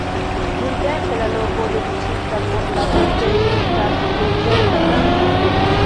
Nuntempe la loko, dediĉita por la vendejo, estas dezerta kampo.